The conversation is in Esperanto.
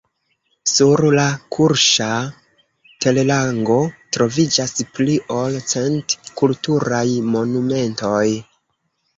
Sur la kurŝa terlango troviĝas pli ol cent kulturaj monumentoj.